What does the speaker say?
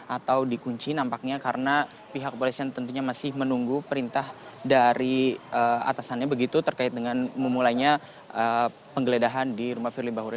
atau dikunci nampaknya karena pihak kepolisian tentunya masih menunggu perintah dari atasannya begitu terkait dengan memulainya penggeledahan di rumah firly bahuri